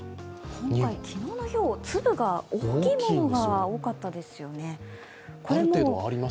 今回、昨日のひょう、粒が大きいものが多かったですよね。